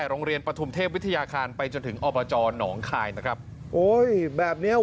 เพิ่งเป็นวันนี้นะคะที่เห็นค่ะยังไงก็ฝากด้วยนะคะ